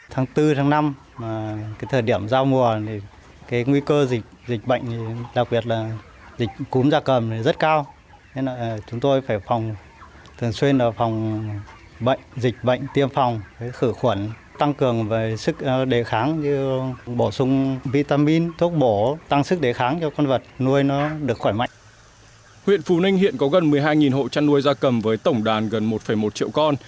huyện phú ninh hiện có gần một mươi hai hộ chăn nuôi da cầm với tổng đàn gần một một triệu con